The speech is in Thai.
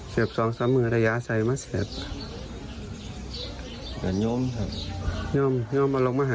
เสียบอยู่ใส่เสียบวินาคตีตามหล่องพอหรือว่า